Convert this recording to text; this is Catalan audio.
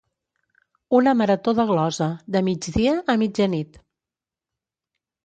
Una marató de glosa, de migdia a mitjanit.